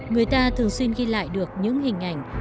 người ta thường xuyên ghi lại được những hình ảnh